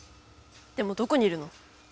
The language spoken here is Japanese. でもどこにいるの？